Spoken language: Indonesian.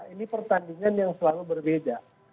ini pertandingan yang selalu berbeda